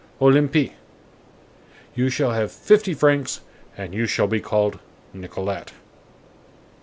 "Olympie." "You shall have fifty francs, and you shall be called Nicolette."